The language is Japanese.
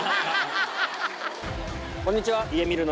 こんにちは。